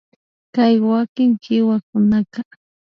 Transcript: Kay wakin kiwakunaka